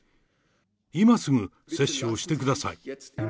今すぐ接種をしてください。